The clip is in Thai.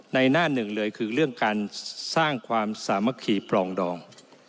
หน้าหนึ่งเลยคือเรื่องการสร้างความสามัคคีปรองดอง